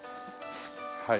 はい。